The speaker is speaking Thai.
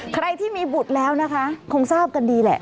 ใครที่มีบุตรแล้วนะคะคงทราบกันดีแหละ